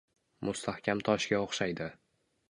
mustahkam toshga o‘xshaydi.